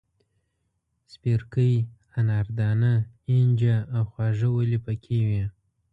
سپیرکۍ، اناردانه، اینجه او خواږه ولي پکې وې.